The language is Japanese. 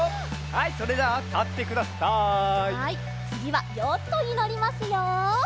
はいつぎはヨットにのりますよ。